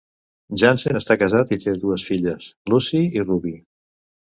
Jansen està casat i té dues filles, Lucy i Ruby.